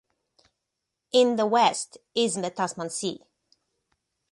In the west is the Tasman Sea.